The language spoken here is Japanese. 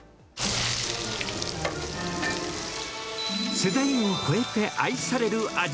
世代を超えて愛される味。